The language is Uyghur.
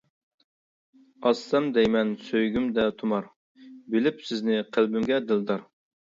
ئاسسام دەيمەن سۆيگۈمدە تۇمار، بىلىپ سىزنى قەلبىمگە دىلدار.